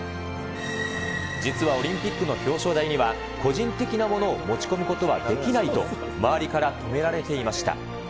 実はオリンピックの表彰台には個人的なものを持ち込むことはできないと、周りから止められていました。